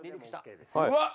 ・うわっ。